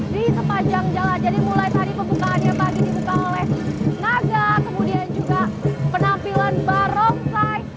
di sepanjang jalan jadi mulai tadi pembukaannya tadi dibuka oleh naga kemudian juga penampilan barongsai